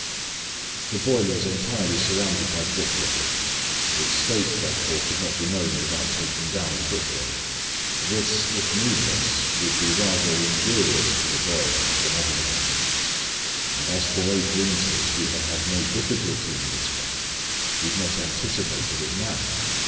"The boiler is entirely surrounded by brickwork; its state, therefore, could not be known without taking down the brickwork; this, if needless, would be rather injurious to the boiler, than otherwise; and as for eight winters we had had no difficulty in this way, we had not anticipated it now.